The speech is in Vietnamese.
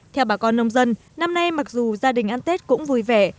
theo bà con nông dân năm nay mặc dù gia đình ăn tết cũng vui vẻ